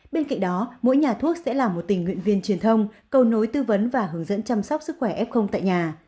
bên cạnh đó mỗi nhà thuốc sẽ là một tình nguyện viên truyền thông cầu nối tư vấn và hướng dẫn chăm sóc sức khỏe f tại nhà